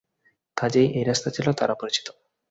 কাজেই এই রাস্তা ছিল তার অপরিচিত।